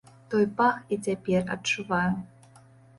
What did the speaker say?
Той пах і цяпер адчуваю.